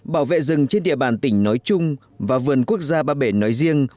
bảo vệ rừng trên địa bàn tỉnh nói chung và vườn quốc gia ba bể nói riêng